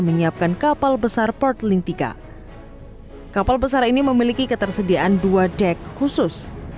menyiapkan kapal besar port lintika kapal besar ini memiliki ketersediaan dua dek khusus